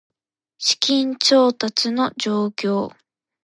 資金調達の状況